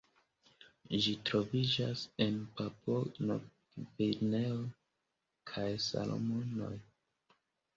Ĝi troviĝas en Papuo-Novgvineo kaj Salomonoj.